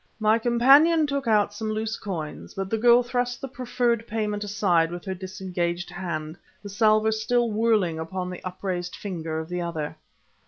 My companion took out some loose coins, but the girl thrust the proffered payment aside with her disengaged hand, the salver still whirling upon the upraised finger of the other.